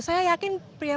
saya yakin pria pria